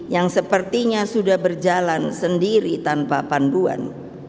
yang sepertinya sudah berjalan sendiri tanpa panduan